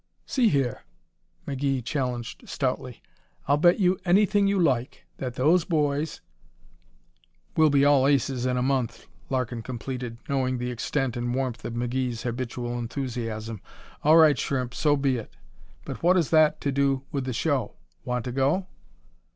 "See here!" McGee challenged stoutly. "I'll bet you anything you like that those boys " "Will all be aces in a month," Larkin completed, knowing the extent and warmth of McGee's habitual enthusiasm. "All right, Shrimp, so be it. But what has that to do with the show? Want to go?"